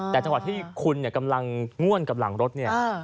แต่ตอนที่คุณเนี่ยกำลังง่วนกับหลังรถเนี่ย